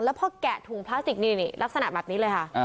แล้วพอแกะถุงพลาสติกนี่ลักษณะแบบนี้เลยค่ะ